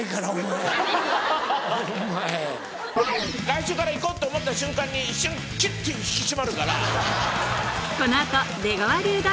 来週から行こうって思った瞬間に一瞬きゅって引き締まるから。